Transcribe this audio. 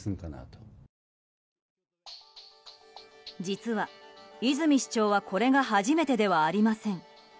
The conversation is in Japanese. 実は、泉市長はこれが初めてではありません。